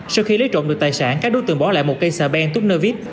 sau khi lấy trộm được tài sản các đối tượng bỏ lại một cây sả bèn tút nơ vít